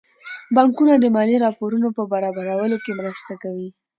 بانکونه د مالي راپورونو په برابرولو کې مرسته کوي.